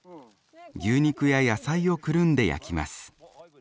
牛肉や野菜をくるんで焼きます。